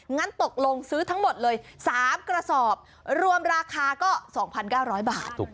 งั้นตกลงซื้อทั้งหมดเลย๓กระสอบรวมราคาก็๒๙๐๐บาท